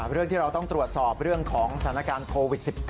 เรื่องที่เราต้องตรวจสอบเรื่องของสถานการณ์โควิด๑๙